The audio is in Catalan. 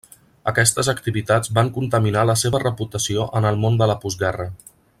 Aquestes activitats van contaminar la seva reputació en el món de la postguerra.